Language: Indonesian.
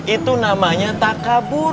itu namanya takabur